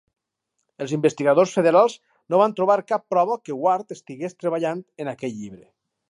Els investigadors federals no van trobar cap prova que Ward estigués treballant en aquell llibre.